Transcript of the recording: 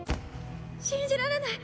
「信じられない。